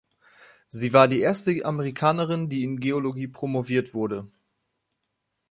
Sie war die erste Amerikanerin, die in Geologie promoviert wurde.